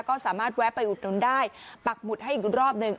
ก็สามารถแวะไปอุดหนุนได้ปักหมุดให้อีกรอบหนึ่ง